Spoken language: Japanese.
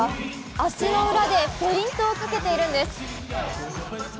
足の裏でフェイントをかけているんです。